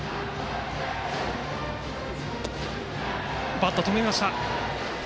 バット、止まりました。